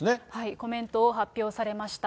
コメントを発表されました。